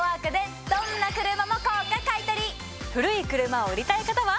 古い車を売りたい方は。